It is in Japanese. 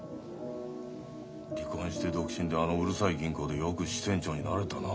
離婚して独身であのうるさい銀行でよく支店長になれたな。